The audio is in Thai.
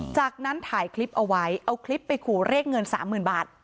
จากนั้นถ่ายคลิปเอาไว้เอาคลิปไปขู่เรียกเงินสามหมื่นบาท